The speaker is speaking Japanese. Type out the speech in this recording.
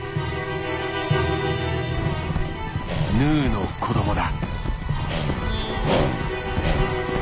ヌーの子どもだ。